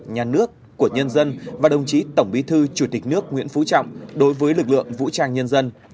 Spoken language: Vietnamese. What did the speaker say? nhà nước của nhân dân và đồng chí tổng bí thư chủ tịch nước nguyễn phú trọng đối với lực lượng vũ trang nhân dân